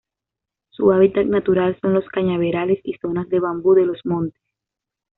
Su hábitat natural son los cañaverales y zonas de bambú de los montes.